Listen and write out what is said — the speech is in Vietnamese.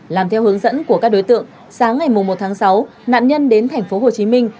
làm theo hướng dẫn của các đối tượng sáng ngày một tháng sáu nạn nhân đến thành phố hồ chí minh